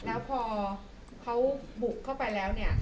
แล้วพอเขาบุกเข้าไปแล้วเนี่ย